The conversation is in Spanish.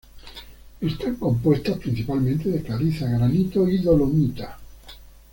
Están compuestas principalmente de caliza, granito y dolomita.